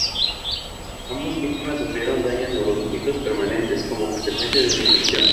Ambas víctimas sufrieron daños neurológicos permanentes como consecuencia de su infección.